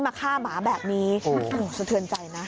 มาฆ่าหมาแบบนี้สะเทือนใจนะ